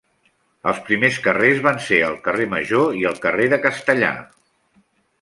Els primers carrers van ser el carrer Major i el carrer de Castellar.